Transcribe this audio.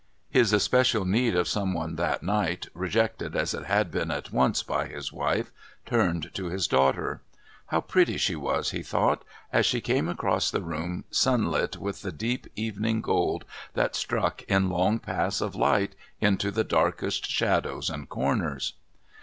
His especial need of some one that night, rejected as it had been at once by his wife, turned to his daughter. How pretty she was, he thought, as she came across the room sunlit with the deep evening gold that struck in long paths of light into the darkest shadows and corners.